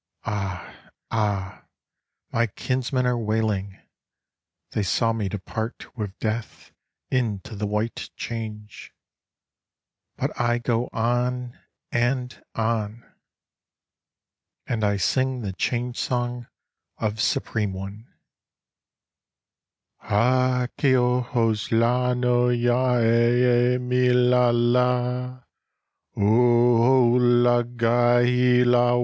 Ah! Ah! my kinsmen are wailing; They saw me depart with DeathInto the White Change.But I go on—and on! And I sing the Change Song of Supreme One:Ha k eohos la no ya ai a me la laQ' oalahag' i h e e la wo!